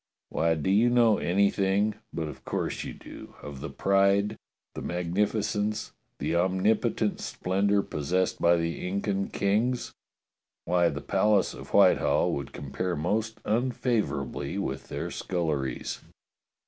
Why, do you know anything — but of course you do — of the pride, the magnificence, the omnipotent splendour possessed by the Incan kings .^^ Why, the Palace of White hall would compare most unfavourably with their scul leries."